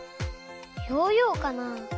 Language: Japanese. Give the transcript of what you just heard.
ヨーヨーかな？